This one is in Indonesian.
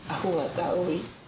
aku gak tau